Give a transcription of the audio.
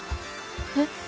えっ？